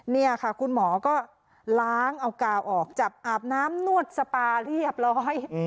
นี่ค่ะคุณหมอก็ล้างเอากาวออกจับอาบน้ำนวดสปาเรียบร้อย